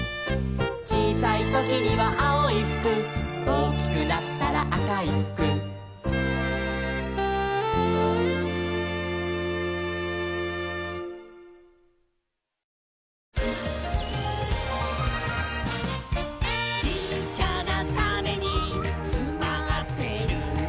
「ちいさいときにはあおいふく」「おおきくなったらあかいふく」「ちっちゃなタネにつまってるんだ」